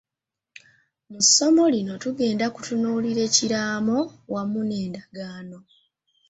Mu ssomo lino tugenda kutunuulira ekiraamo wamu n'endagaano.